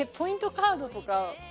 カードとか。